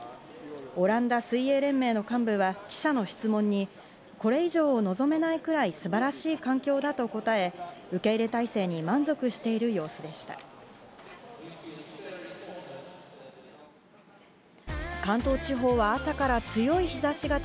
オランダ水泳連盟の幹部は記者の質問に、これ以上を望めないくらい素晴らしい環境だと答え、受け入れ体制に満足している様子でした。